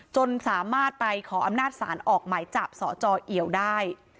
จนสามารถไปขออำนาจศาลออกหมายจับสจเอี่ยวได้